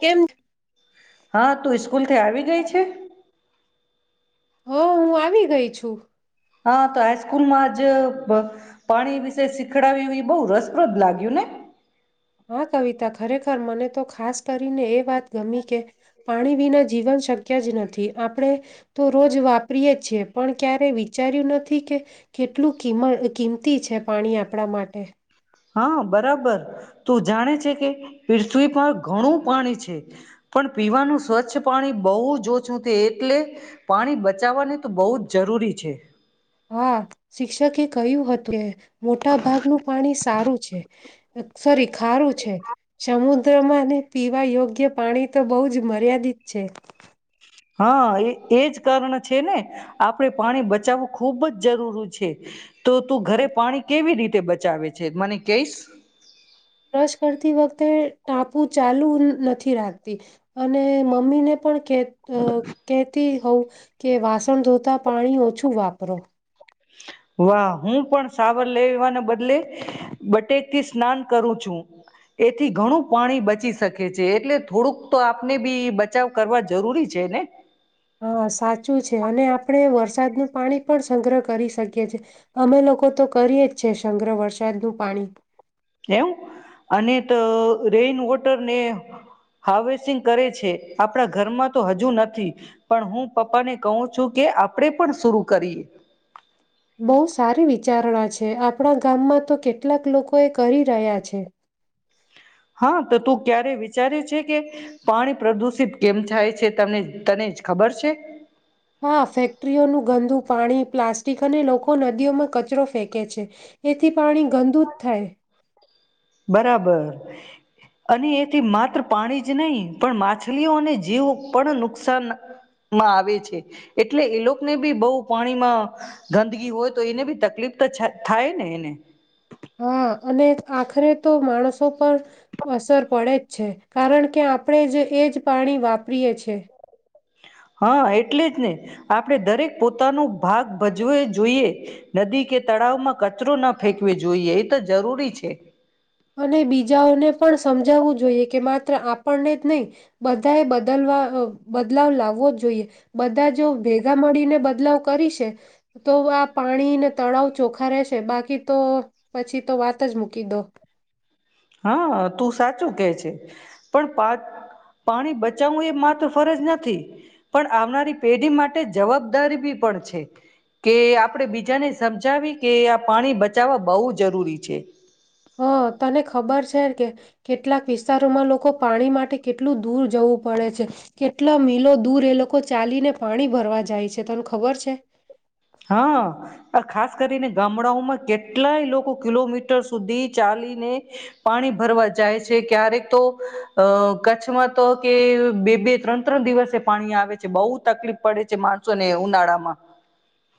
કેમ હા, તું સ્કૂલથી આવી ગઈ છે? હ, હું આવી ગઈ છું. હા, તો હાઈસ્કૂલ માંજ પાણી વિશે શીખડાવ્યું, એ બહુ રસપ્રદ લાગ્યું ને. હા, કવિતા ખરેખર મને તો ખાસ કરીને એ વાત. ગમી કે, પાણી વિના જીવન શક્તિ. કે જ નથી આપણેે. તો, રોજ વાપરીએ છીએ. પણ ક્યારેય વિચાર્યું નથી કે કેટલું કિમ કિંમતી છે પાણી આપણા માટે. હા, બરાબર. તું જાણે છે કે પૃથ્વી પર ઘણું પાણી છે, પણ પીવાનું સ્વચ્છ પાણી બહુ ઓછું છે, એટલે પાણી બચાવવાને તો બહુ જ જરૂરી છે. હા, શિક્ષકે કહ્યું હતું કે મોટા ભાગનું પાણી સારું છે, સોરી, ખારું છે, સમુદ્રમાંને પીવા યોગ્ય પાણી તો બહુ જ મર્યાદિત છે. હા, એ એજ કારણ છે ને આપણેે પાણી બચાવવું ખૂબ જ જરૂરી છે. તો તું ઘરે પાણી કેવી રીતે? તે બચાવે છે, મને કહીશ? બ્રશ કરતી વખતે ટાપુ ચાલુ નથી રાખતી, અને મમ્મી ને પણ. કે, કેતી હોવ. કે વાસણ ધોતા પાણી ઓછું વાપરો. વાહ, હું પણ સાવર લેવાને બદલે બટેકથી સ્નાન કરું છું, એથી ઘણું પાણી બચી શકે છે, એટલે થોડુંક તો આપને બી બચાવ કરવા જરૂરી છે ને. હા, સાચું છે. અને આપણે વરસાદનું પાણી પણ સંગ્રહ કરી શકીએ છીએ, અમે લોકો તો કરીએ જ છે સંગ્રહ વરસાદનું પાણી. એવું, અને તો રેઈનવોટર ને હાર્વેસિંગ કરે છે. આપણા ઘરમાં તો હજુ નથી, પણ હું પપ્પાને કહું છું કે આપણેે પણ શરુ કરીએ. બહુ સારી વિચારણા છે. આપણા ગામમાં તો કેટલાક લોકો એ કરી રહ્યા છે. હા, તો તું ક્યારે વિચારે છે કે પાણી પ્રદુષિત કેમ થાય છે? તમને તને જ ખબર છે. હા, ફેક્ટરીઓનું ગંદુ પાણી, પ્લાસ્ટિક અને લોકો નદીઓમાં કચરો ફેંકે છે. એથી પાણી ગંદુ જ થાય. બરાબર, અને એથી માત્ર પાણી જ નહીં, પણ માછલીઓ અને જીવો પણ નુકસાનમાં આવે છે. એટલે એ લોકોને બી બહુ પાણીમાં ગંદગી હોય તો એને બી તકલીફ તો થાય ને એને. હા, અને આખરે તો માણસો પર અસર પડે જ છે, કારણ કે આપણે જ એ જ પાણી વાપરી એ છીએ. હા, એટલે જ ને આપણે દરેક પોતાનો ભાગ ભજવો જોઈએ. નદી કે તળાવમાં કચરો ના ફેંકવી જોઈએ, એ તો જરૂરી છે. અને બીજાઓને પણ સ સમજાવવું જોઈએ કે માત્ર આપણને જ નહીં બધા એ બદલવા અહ બદલાવ લાવવો જ જોઈએ. બધા જો ભેગા મળીને બદલાવ કરીશે, તો આ પાણીને, તળાવ ચોખ્ખા રહેશે, બાકી તો પછી તો વાત જ મૂકી દો. હા, તું સાચું કેહે છે. પણ પા પાણી બચાવવું એ માત્ર ફરજ નથી, પણ આવનારી પેઢી માટે જવાબદારી બી પણ છે, કે આપણેે બીજાને સમજાવી કે આ પાણી બચાવવા બહુ જરૂરી છે. હા, તને ખબર છે કે કેટલાક વિસ્તારોમાં લોકો પાણી માટે કેટલું દૂર જવું પડે છે? કેટલો મિલો દૂર એ લોકો ચાલીને પાણી ભરવા જાય છે, તને ખબર છે? હા, આ ખાસ કરીને ગામડાઓમાં કેટલાય લોકો કિલોમીટર સુધી ચાલીને પાણી ભરવા જાય છે. ક્યારેક તો અહ કચ્છમાં તો કે બે-બે ત્રણ-ત્રણ દિવસે પાણી આવે છે, બહુ તકલીફ પડે છે માણસોને ઉનાળામાં.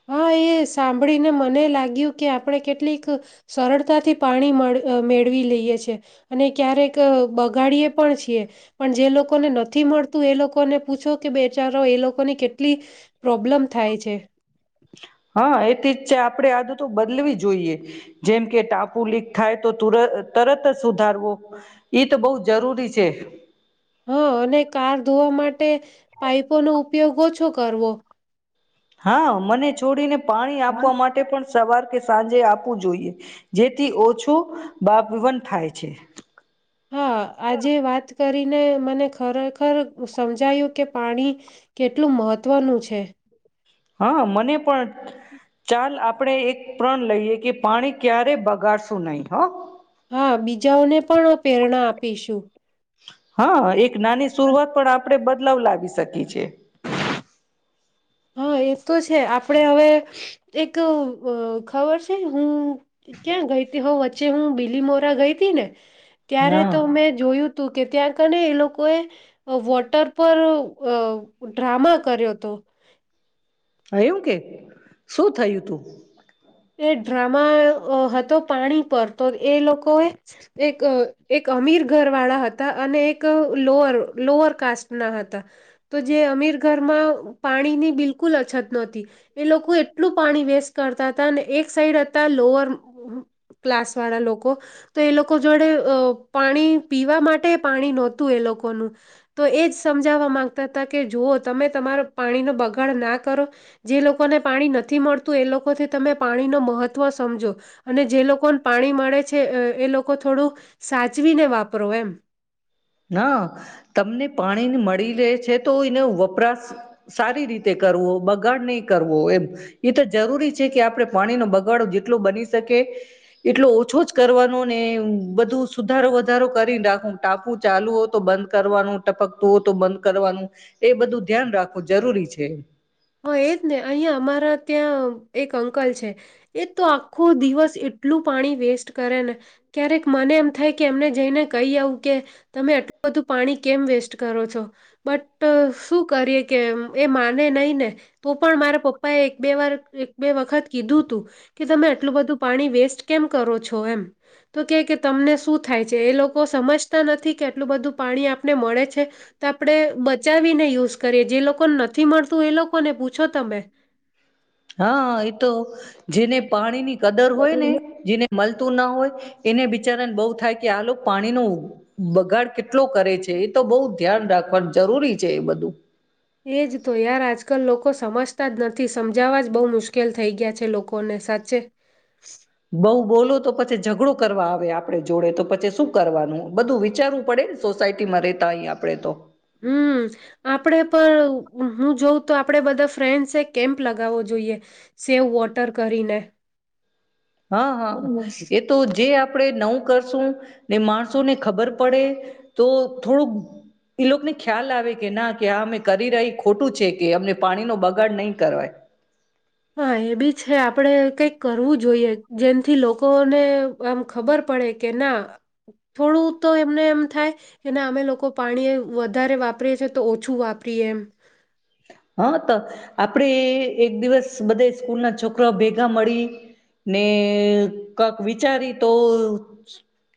હા, એ સાંભળી ને મને લાગ્યું કે આપણે કેટલીક સરળતા થી પાણી મળ મેળવી લઈએ છે, અને ક્યારેક અહ બગાડીએ પણ છીએ. પણ જે લોકોને નથી મળતું, એ લોકોને પૂછો કે બેચારો એ લોકોની કેટલી પ્રોબ્લમ થાય છે. હા એથી જ છે આપણેે આદતો બદલવી જોઈએ. જેમ કે ટાપુ લીક થાય તો તુર તરત જ સુધારવો, ઈ તો બહુ જરૂરી સે. હા અને કાર ધોવા માટે પાઈપોનો ઉપયોગ ઓછો કરવો. હા મને છોડીને- પાણી આપવા માટે પણ સવાર કે સાંજે આપવું જોઈએ. જેથી ઓછું બાબવન થાય છે. હા આ જે વાત કરીને મને ખરેખર સમજાયું કે પાણી કેટલું મહત્વનું છે. હા મને પણ. ચાલ આપણેે એક પ્રણ લઈએ કે પાણી ક્યારેય બગાડશું નહીં હહ. હા બીજાઓને પણ આ પ્રેરણા આપીશું. હા એક નાની શરૂઆત પણ આપ આપણે બદલાવ લાવી શકીએ છીએ. હા એ તો છે. આપણે હવે એક અહ ખબર છે હું ક્યાં ગઈતી હો વત ચ્ચે હું બીલીમોરા ગઈતી ને ત્યારે તો હા મેં જોયું તું કે ત્યાં કને એ લોકોએ વોટર પર અહ ડ્રામા કર્યોતો. થયું કે શું થયું તું? એ ડ્રામા અહ હતો પાણી પર, તો એ લોકોએ એક અહ એક અમીર ઘર વાળા હતા, અને એક લોઅર લોઅર કાસ્ટના હતા. તો જે અમીર ઘરમાં પાણીની બિલકુલ અછત નોતી. એ લોકો એટલું પાણી વેસ્ટ કરતા ને એક સાઈડ હતા લોઅર ક્લાસવાળા લોકો, તો એ લોકો જોડે અહ પાણી પીવા માટે પાણી નોત તું એ લોકોનું તો એ જ સમજાવવા માંગતા તા કે, જો ઓ તમે તમારો પાણીનો બગાડ ના કરો. જે લોકોને પાણી નથી મળતું તું એ લોકોથી તમે પાણીનો મહત્વ સમજો. અને જે લોકોને પાણી મળે છે, એ લોક કો થોડું સાચવીને [unintelligible] વાપરો એમ ના તમને પાણી ને મળ મળી રહે છે. તો એનો વપરાશ સારી રીતે કરવો, બગાડ નહીં કરવો. એમ એ તો જરૂરી છે કે, આપણે પાણીનો બગાડો જેટલો બની શકે, એટલો ઓછો જ કરવાનો ને બધું સુધારો વધારો કરીને રાખું, ટાકું ચાલુ હો તો બંધ કરવાનું, ટપકતું હો તો બંધ કરવાનું, એ બધું ધ્યાન રાખો જરૂરી છે. હા એજ ને, અહીંયા અમારા ત્યાં એક અંકલ છે. એ તો આખો દિવસ એટલું પાણી વેસ્ટ કરે ને ક્યારેક મને એમ થાય કે એમને જઈને કઈ આવું કે, તમે આટલું બધું પાણી કેમ વેસ્ટ કરો છો? બટ શું કરીએ? કે એ માને નહીં ને તો પણ મારા પપ્પા એ એક બે વાર એક બે વખત કીધું તું કે તમે આટલું બધું પાણી વેસ્ટ કેમ કરો છો? એમ તો કે કે તમને શું થાય છે? એ લોકો સમજતા નથી કેટલું બધું પાણી આપને મળે છે. તો આપણે બચાવીને યુઝ કરીએ, જે લોકોને નથી મળતું એ લો [unintelligible] હા એ તો જેને પાણીની કદર હોય ને જી ને મલ તુ ન હોય, એને બીચારા ને બઉ થાય કે, આ લોક પાણીનો બગાડ કેટલો કરે છે એ તો બઉ ધ્યાન રાખવાનું જરૂરી છે. એ બધું એ જ તો યાર આજ આજકાલ લોકો સમજતા જ નથી સમજાવા જ બહુ મુશ્કેલ થઈ ગયા છે. લોકોને સાચે બઉ બોલો તો પછ છે. ઝઘડો કરવા આવે, આપણે જોડે તો પછી શું કરવાનું? બધું વિચારવું પડે ને સોસાયટીમાં રેતા હોય આપડે તો હમ આપણે પણ હું જોઉં તો આપડે બધા ફ્રેન્ડસે એ કેમ્પ લગાવવો જોઈએ સેવ વોટર કરીને હં હં એ તો જે આપણે નવું કર સુ ને માણસો ને ખબર પડે, તો થોડુંક ઈ લોકને ખ્યાલ આવે કે, ના કે આ અમે કરી રહી ખોટું છે કે, અમને પાણી નો બગાડ નહી કરવાય હા! એ બી છે. આપડે કંઈક કરવું જોઈએ, જેનથી લોકોને આમ ખબર પડે કે ના થોડું તો, એમને એમ થાય એના અમે લોકો પાણી વધારે વાપરીએ છીએ તો ઓછું વાપરીએ એમ હા તો આપડે અ એક દિવસ બધે સ્કૂલ ના છોકરા ભેગા મળી ને કક વિચારી તો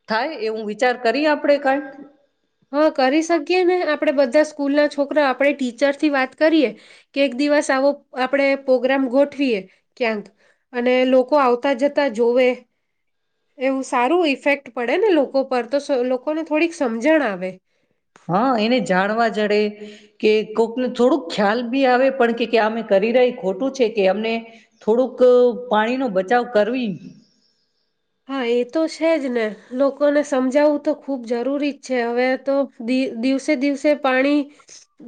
થાય એવું વિચાર કરીએ આપડે કઈ હા કરી શકીએ ને આપડે બધ બધા સ્કૂલ ના છોકરા આપણેે ટીચર થી વાત કરીએ કે એક દિવસ આવો આપણે પ્રોગ્રામ ગોઠવીએ ક્યાંક અને લોકો આવતા જતા જોવે એવું સારું ઈફેક્ટ પડે ને લોકો પર તો સ લોકોને થોડીક સમજણ આવે. આવે. હા એને જાણવા જડે કે કોકને થોડુંક ખ્યાલ બી આવે પણ કે કે અમે કરી રહી ખોટું છે કે અમને થોડુંક પાણીનો બચાવ કરવી હા એ તો છે જ ને લોકોને સમજાવવું તો ખૂબ જરૂરી જ છે હવે તો દી દિવસે દિવસે પાણી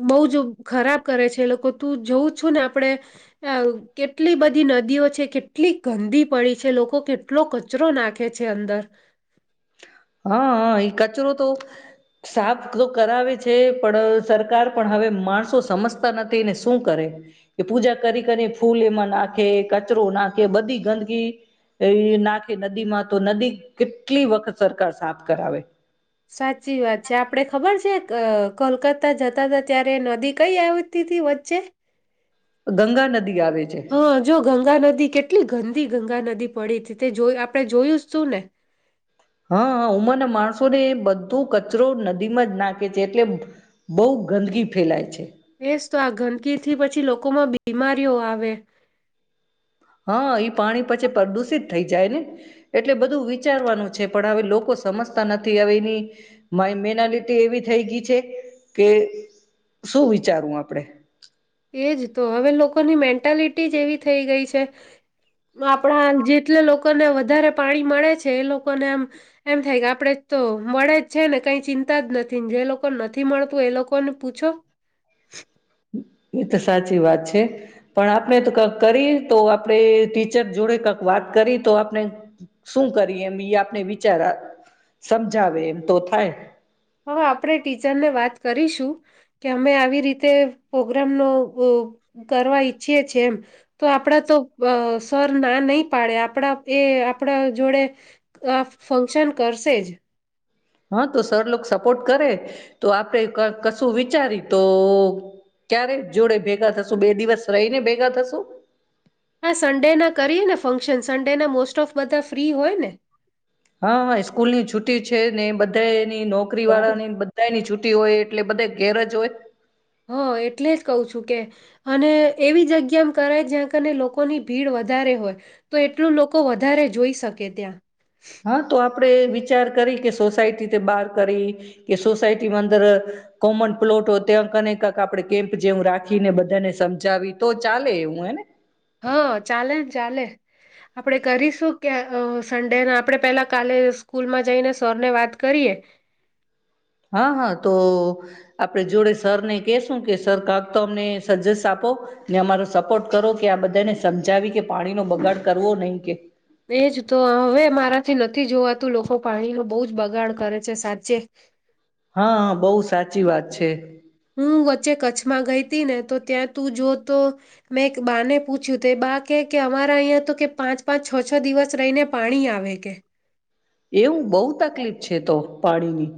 બહુ જ ખરાબ કરે છે એ લોકો તું જોઉં છું ને આપડે અ કેટલી બધી નદીઓ છે કેટલી ગંદી પડી છે. લોકો કેટલો કચ કચરો નાખે છે અંદર હા હા એ કચરો તો સાફ તો કરાવે છે પણ સરકાર પણ હવે માણસો સમજતા નથી એને શું કરે એ પૂજા કરી કરી ફૂલ એમાં નાખે કચરો નાખે બધી ગંદકી નાખે નદી માં તો નદી કેટલી વખત સરકાર સાફ કરાવે. સાચી વાત છે. આપડે ખબર છે અ કોલકતા જતા હતા ત્યારે નદી કઈ આવતી તી વચ્ચે? ગંગા નદી આવે છે હા જો ગંગા નદી કેટ કેટલી ગંદી ગંગા નદી પડી તી તે જો આપણે જોયું તું ને. હા ઉમરના માણસો ને બધો કચરો નદીમાં જ નાખે છે એટલે બો ગંદકી ફેલાય છે. એજ તો આ ગંદકીથી પછી લોકોમાં બીમારીઓ આવે. હા ઈ પાણી પછી પ્રદુષિત થઈ જાય ને એટલે બધું વિચારવાનું છે પણ હવે લોકો સમજતા નથી હવે એની માઇ મેનાલિટી એવી થઈ ગઈ છે કે શું વિચારવું આપડે? એજ તો હવે લોકોની મેન્ટ મેનટાલિટી જ એવી થઈ ગઈ છે. આપણા જેટલે લોકોને વધારે પાણી મળે છે એ લોકોને આમ એમ થાય કે આપણે તો મળે જ છે ને કઈ ચિંતા જ નથી જે લોકોને નથી મળતું એ લોકોને પૂછો. એ તો સાચી વાત છે પણ આપણે તો કક કરી તો આપણેે ટીચર જોડે કક વાત કરયે તો આપણે શું કરયે એમ ઈ આપને વિચાર આવ સમજાવે એમ તો થાય. હા આપણે ટીચરને વાત કરીશું. કે અમે આવી રીતે પ્રોગ્રામનો અ કરવા ઈચ્છીએ છીએ એમ તો આપડા તો સર ના નહી પાડે. આપડા એ આપણા જોડે આ ફંક્શન કરશે જ. હા તો સર લોક સપોર્ટ કરે તો આપડે ક કશું વિચારી તો ક્યારે જોડે ભેગા થશુ બે દિવસ રહી ને ભેગા થશુ? હા સન્ડે ના કરીએ ને ફંક્શન સન્ડેના મોસ્ટ ઓફ બધા ફ્રી હોય ને? હા હા સ્કૂલ ની છૂટી છે ને બધાએ ની નોકરી હ વાળા ની બધાની છૂટ ટી હોય એટલે બધા ધેરજ હોય. હા એટલે જ કહું છું કે અને એવી જગ્યામ કરાય જ્યાં કને લોકોની ભીડ વધારે હોય તો એટલું લોકો વધારે જોઈ શકે ત્યાં. હા તો આપણે વિચાર કરયે કે સોસાયટી તે બહાર કરયે કે, સોસાયટીમાં, અંદર કોમન પ્લોટ હોય ત્યાં કને કંક આપણે કેમ્પ જેવું રાખીને બધાને સમજાવી તો ચાલે એવું હને? હા ચાલેને ચાલે આપણેે કરીશું ક્યા સન્ડે ના આપણે પેલા કાલે સ્કૂલમાં જઈને સરને વાત કરીએ. હા હા તો આપણે જોડે સરને કેશું કે સર કાક તો અમને સજેસ આપો ને અમારો સપોર્ટ કરો કે આ બધાને સમજાવી કે પાણીનો બગાડ કરવો નહીં કે એજ તો હવે મારાથી નથી જોવાતું લોકો પાણી નું બો જ બગાડ કરે છે સાચે. હા બો સાચી વાત છે. હું વચ્ચે કચ્છમાં ગઈ તી ને તો ત્યાં તું જો તો મેં એક બાને પૂછ્યું તે બા કે કે અમારા અહીંયા તો કે પાંચ પાંચ છ છ છ દિવસ રહીને પાણી આવે કે. એવું? બો તકલીફ છે તો. પાણીની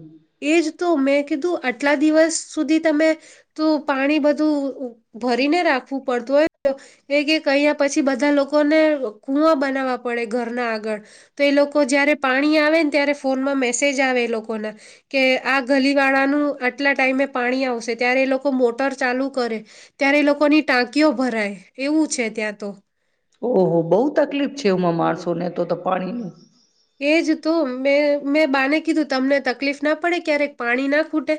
એજ તો મેં કીધું આટલા દિવસ સુધી તમે તો પાણી બધું અ ભરીને રાખવું પડતું હોય એ કેહ કહીયા પછી બધા લોકોને કૂવા બનાવવા પડે ઘરના આગળ. તો એ લોકો જયારે પાણી આવે ને ત્યારે ફોનમાં મે મેસેજ આવે એ લોકોને. કે આ ગલી વાળાનું કેટલા ટાઈમે પાણી આવશે ત્યારે એ લોકો મોટર ચાલુ કરે ત્યારે એ લોકોની ટાંકીઓ ભરાય એવું છે ત્યાં તો ઓહો બહુ તકલીફ છે હમાં માણસોને તો તો પાણીની એજ તો મેં મેં બાને કીધું તમને તકલીફ ના પડે ક્યારેક પાણી ના ખૂટે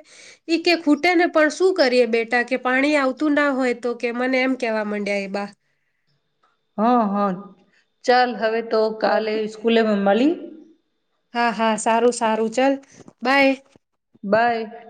એ કે ખૂટે ને પણ શું કરીએ બેટા કે પાણી આવતું ના હોય તો કે મને એમ કેવા માંડ્યા એ બા હા હા ચાલ હવે તો કાલે સ્કૂલે મલી હા હા સારું સારું ચલ બાય બાય